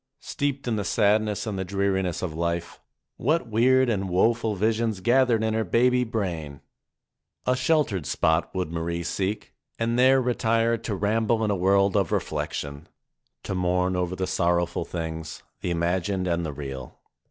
Steeped in the sadness and the dreariness of life, what weird and woe ful visions gathered in her baby brain ! A sheltered spot would Marie seek and there retire to ramble in a world of reflection, to mourn over the sorrowful things, the imagined and the real.